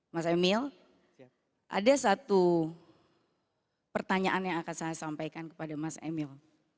mas emil ada satu pertanyaan yang akan saya sampaikan kepada mas emil